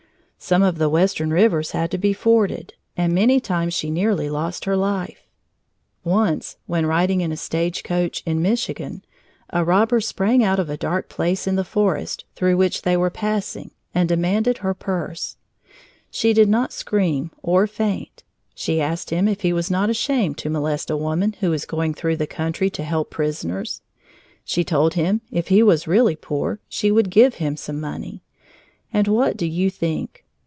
Some of the western rivers had to be forded, and many times she nearly lost her life. Once, when riding in a stage coach in Michigan, a robber sprang out of a dark place in the forest through which they were passing and demanded her purse. She did not scream or faint. She asked him if he was not ashamed to molest a woman who was going through the country to help prisoners. She told him if he was really poor, she would give him some money. And what do you think?